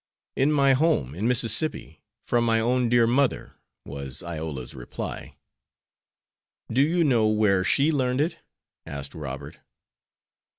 "In my home, in Mississippi, from my own dear mother," was Iola's reply. "Do you know where she learned it?" asked Robert.